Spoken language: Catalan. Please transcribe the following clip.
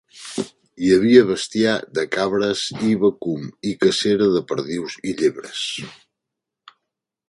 Hi havia bestiar de cabres i vacum i cacera de perdius i llebres.